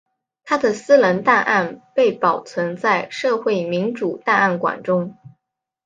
他的私人档案被保存在社会民主档案馆中。